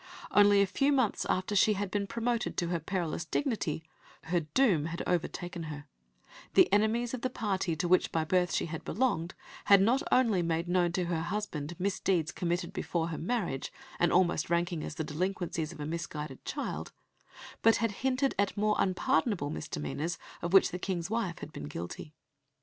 Only a few months after she had been promoted to her perilous dignity her doom had overtaken her; the enemies of the party to which by birth she belonged had not only made known to her husband misdeeds committed before her marriage and almost ranking as the delinquencies of a misguided child, but had hinted at more unpardonable misdemeanours of which the King's wife had been guilty.